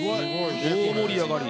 大盛り上がり。